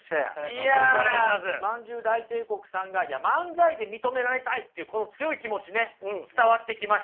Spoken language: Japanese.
いやまんじゅう大帝国さんが漫才で認められたいという強い気持ちね伝わってきました。